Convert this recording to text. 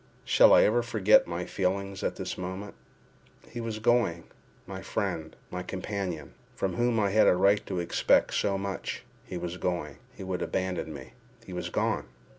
Shall I ever forget my feelings at this moment? He was going—my friend, my companion, from whom I had a right to expect so much—he was going—he would abandon me—he was gone!